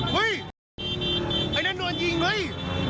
เฮ้ยไอ้นั่นโดนยิงเว้ย